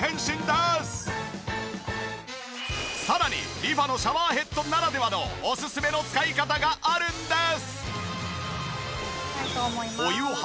さらにリファのシャワーヘッドならではのオススメの使い方があるんです。